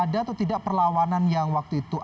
ada atau tidak perlawanan yang waktu itu